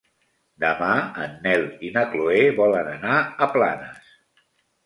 Demà en Nel i na Chloé volen anar a Planes.